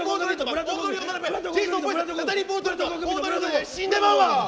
いや、死んでまうわ！